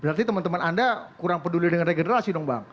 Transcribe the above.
berarti teman teman anda kurang peduli dengan regenerasi dong bang